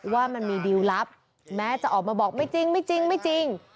ว่ามันมีดิวลับแม้จะออกมาบอกไม่จริง